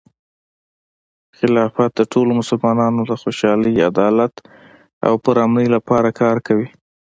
خلافت د ټولو مسلمانانو د خوشحالۍ، عدالت، او پرامنۍ لپاره کار کوي.